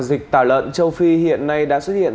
dịch tả lợn châu phi hiện nay đã xuất hiện